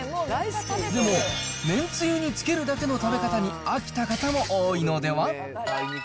でも、めんつゆにつけるだけの食べ方に飽きた方も多いのでは？